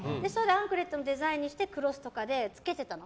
アンクレットのデザインにしてつけてたの。